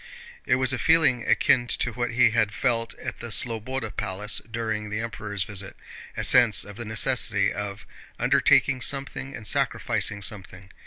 It was a feeling akin to what he had felt at the Slobóda Palace during the Emperor's visit—a sense of the necessity of undertaking something and sacrificing something.